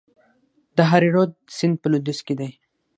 د هریرود سیند په لویدیځ کې دی